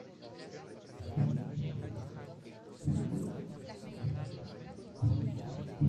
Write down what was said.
En el cuello arriba es gris oscuro y atrás se vuelve verde metálico.